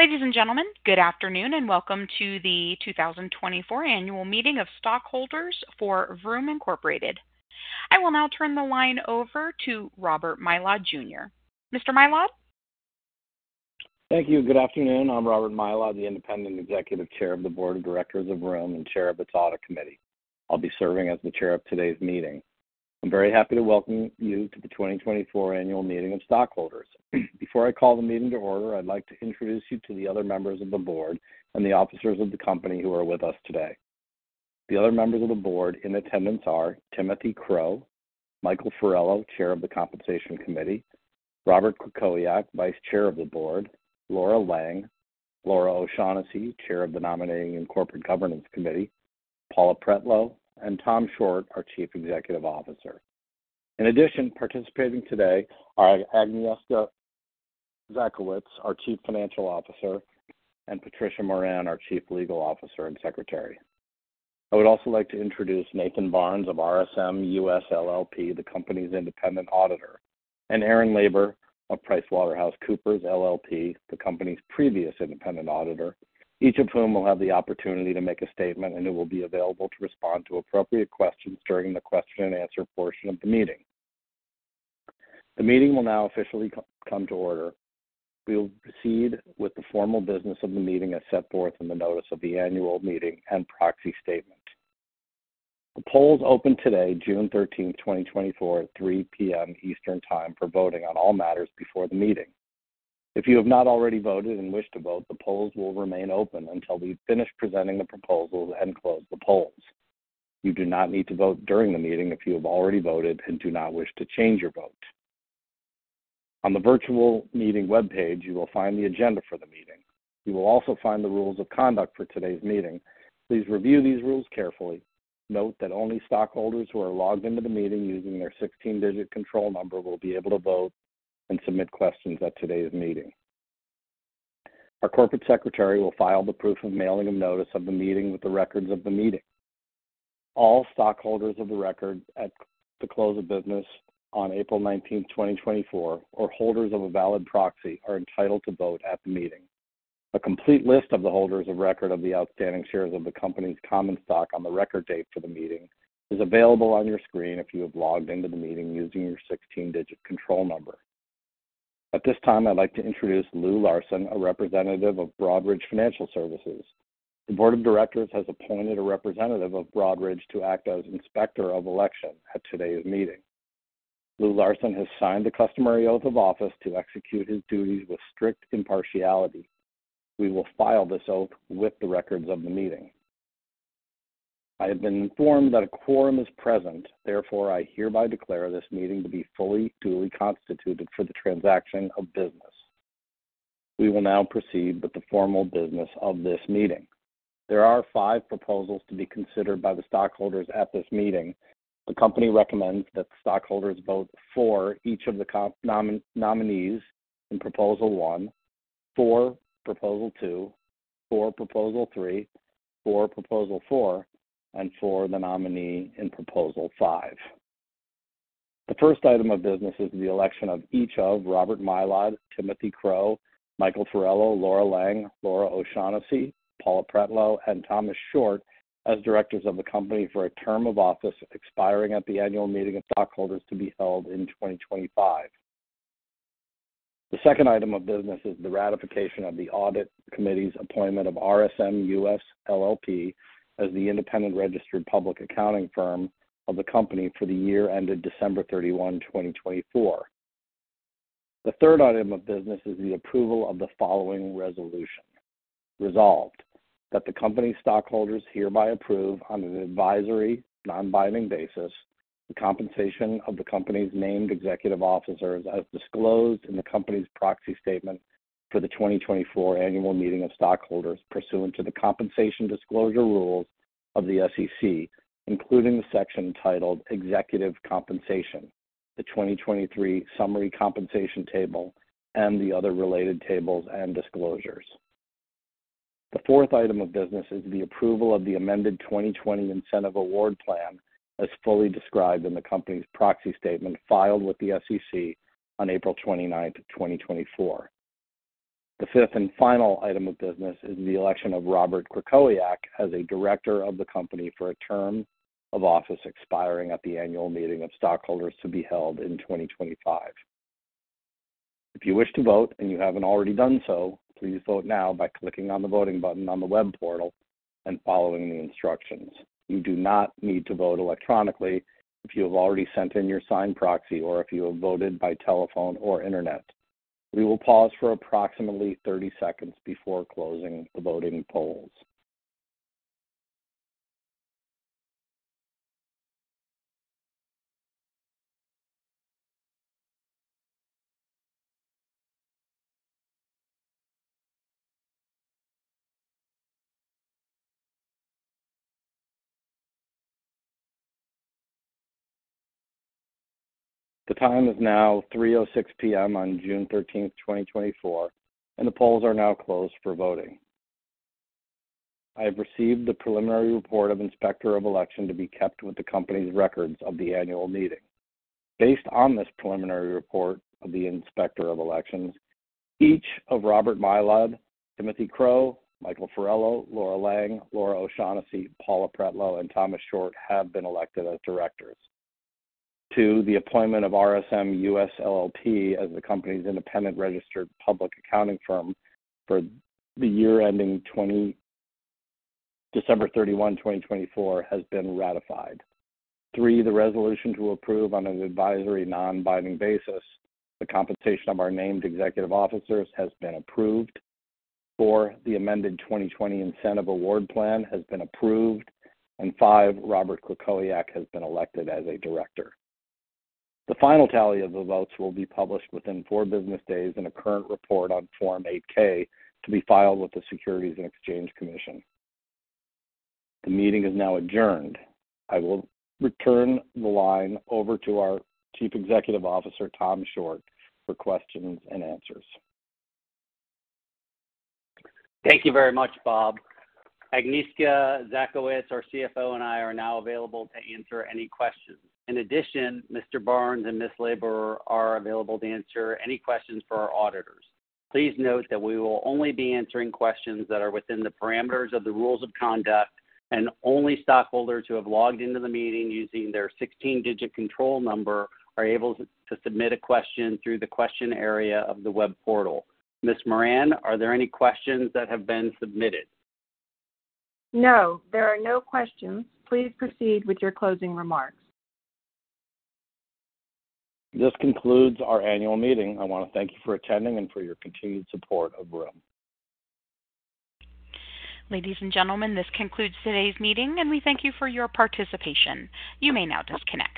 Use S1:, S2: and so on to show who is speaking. S1: Ladies and gentlemen, good afternoon, and welcome to the 2024 Annual Meeting of Stockholders for Vroom, Inc. I will now turn the line over to Robert Mylod Jr. Mr. Mylod?
S2: Thank you. Good afternoon. I'm Robert Mylod, the independent executive chair of the board of directors of Vroom and chair of its Audit Committee. I'll be serving as the chair of today's meeting. I'm very happy to welcome you to the 2024 annual meeting of stockholders. Before I call the meeting to order, I'd like to introduce you to the other members of the board and the officers of the company who are with us today. The other members of the board in attendance are Timothy Crow, Michael Farello, chair of the Compensation Committee, Robert Krakowiak, vice chair of the board, Laura Lang, Laura O'Shaughnessy, chair of the Nominating and Corporate Governance Committee, Paula Pretlow, and Tom Shortt, our Chief Executive Officer. In addition, participating today are Agnieszka Zakowicz, our chief financial officer, and Patricia Moran, our chief legal officer and secretary. I would also like to introduce Nathan Barnes of RSM US LLP, the company's independent auditor, and Erin Laber of PricewaterhouseCoopers LLP, the company's previous independent auditor, each of whom will have the opportunity to make a statement and who will be available to respond to appropriate questions during the question and answer portion of the meeting. The meeting will now officially come to order. We will proceed with the formal business of the meeting as set forth in the notice of the annual meeting and proxy statement. The polls opened today, June 13, 2024, at 3:00 P.M. Eastern Time, for voting on all matters before the meeting. If you have not already voted and wish to vote, the polls will remain open until we've finished presenting the proposals and close the polls. You do not need to vote during the meeting if you have already voted and do not wish to change your vote. On the virtual meeting webpage, you will find the agenda for the meeting. You will also find the rules of conduct for today's meeting. Please review these rules carefully. Note that only stockholders who are logged into the meeting using their 16-digit control number will be able to vote and submit questions at today's meeting. Our corporate secretary will file the proof of mailing of notice of the meeting with the records of the meeting. All stockholders of record at the close of business on April 19, 2024, or holders of a valid proxy, are entitled to vote at the meeting. A complete list of the holders of record of the outstanding shares of the company's common stock on the record date for the meeting is available on your screen if you have logged into the meeting using your 16-digit control number. At this time, I'd like to introduce Lew Larson, a representative of Broadridge Financial Solutions. The board of directors has appointed a representative of Broadridge to act as Inspector of Election at today's meeting. Lew Larson has signed the customary oath of office to execute his duties with strict impartiality. We will file this oath with the records of the meeting. I have been informed that a quorum is present. Therefore, I hereby declare this meeting to be fully duly constituted for the transaction of business. We will now proceed with the formal business of this meeting. There are five proposals to be considered by the stockholders at this meeting. The company recommends that the stockholders vote for each of the nominees in Proposal One, for Proposal Two, for Proposal Three, for Proposal Four, and for the nominee in Proposal Five. The first item of business is the election of each of Robert Mylod, Timothy Crow, Michael Farello, Laura Lang, Laura O’Shaughnessy, Paula Pretlow, and Thomas Shortt as directors of the company for a term of office expiring at the annual meeting of stockholders to be held in 2025. The second item of business is the ratification of the Audit Committee's appointment of RSM US LLP as the independent registered public accounting firm of the company for the year ended December 31, 2024. The third item of business is the approval of the following resolution. Resolved, that the company's stockholders hereby approve, on an advisory, non-binding basis, the compensation of the company's named executive officers, as disclosed in the company's proxy statement for the 2024 annual meeting of stockholders pursuant to the compensation disclosure rules of the SEC, including the section titled Executive Compensation, the 2023 Summary Compensation Table, and the other related tables and disclosures. The fourth item of business is the approval of the amended 2020 Incentive Award Plan, as fully described in the company's proxy statement filed with the SEC on April 29, 2024. The fifth and final item of business is the election of Robert Krakowiak as a director of the company for a term of office expiring at the annual meeting of stockholders to be held in 2025. If you wish to vote, and you haven't already done so, please vote now by clicking on the voting button on the web portal and following the instructions. You do not need to vote electronically if you have already sent in your signed proxy or if you have voted by telephone or internet. We will pause for approximately 30 seconds before closing the voting polls. The time is now 3:06 P.M. on June 13, 2024, and the polls are now closed for voting. I have received the preliminary report of Inspector of Election to be kept with the company's records of the annual meeting. Based on this preliminary report of the Inspector of Elections, each of Robert Mylod, Timothy Crow, Michael Farello, Laura Lang, Laura O'Shaughnessy, Paula Pretlow, and Thomas Shortt have been elected as directors. two, the appointment of RSM US LLP as the company's independent registered public accounting firm for the year ending December 31, 2024, has been ratified. three, the resolution to approve on an advisory, non-binding basis, the compensation of our named executive officers has been approved. Four, the amended 2020 incentive award plan has been approved. And five, Robert Krakowiak has been elected as a director. The final tally of the votes will be published within four business days in a current report on Form 8-K, to be filed with the Securities and Exchange Commission. The meeting is now adjourned. I will return the line over to our Chief Executive Officer, Tom Shortt, for questions and answers.
S3: Thank you very much, Bob. Agnieszka Zakowicz, our CFO, and I are now available to answer any questions. In addition, Mr. Barnes and Ms. Laber are available to answer any questions for our auditors. Please note that we will only be answering questions that are within the parameters of the rules of conduct, and only stockholders who have logged into the meeting using their 16-digit control number are able to submit a question through the question area of the web portal. Ms. Moran, are there any questions that have been submitted?
S1: No, there are no questions. Please proceed with your closing remarks.
S2: This concludes our annual meeting. I want to thank you for attending and for your continued support of Vroom.
S1: Ladies and gentlemen, this concludes today's meeting, and we thank you for your participation. You may now disconnect.